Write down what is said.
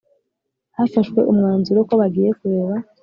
Hafashwe umwanzuro ko bagiye kureba